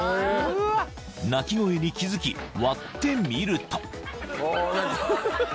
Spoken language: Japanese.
［鳴き声に気付き割ってみると］